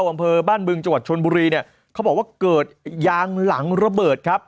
อำเภอบ้านบึงจังหวัดชนบุรีเนี่ยเขาบอกว่าเกิดยางหลังระเบิดครับ